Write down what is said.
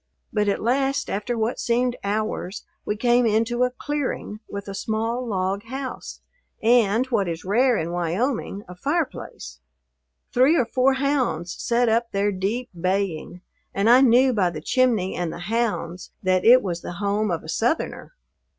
But at last, after what seemed hours, we came into a "clearing" with a small log house and, what is rare in Wyoming, a fireplace. Three or four hounds set up their deep baying, and I knew by the chimney and the hounds that it was the home of a Southerner.